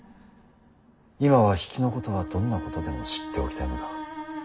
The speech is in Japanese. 今は比企のことはどんなことでも知っておきたいのだ。